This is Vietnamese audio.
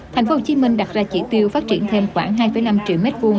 tp hcm đặt ra chỉ tiêu phát triển thêm khoảng hai năm triệu m hai